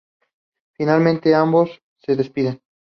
Finalmente ambos se despiden.